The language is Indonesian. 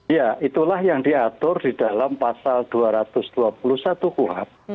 ya itulah yang diatur di dalam pasal dua ratus dua puluh satu kuhap